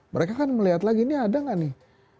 mereka kan melihat lagi ini ada nggak nih